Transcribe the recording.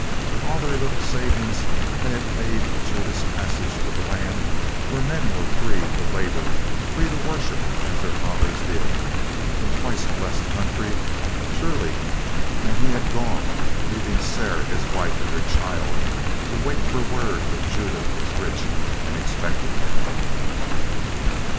With all their little savings they had paid Judah's passage to the land where men were free to labor, free to worship as their fathers did a twice blessed country, surely and he had gone, leaving Sarah, his wife, and their child to wait for word that Judah was rich and expected them.